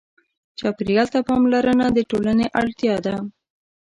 چاپېریال ته پاملرنه د ټولنې اړتیا ده.